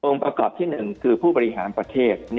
ประกอบที่๑คือผู้บริหารประเทศ